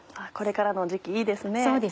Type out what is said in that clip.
これからの時期いいですね。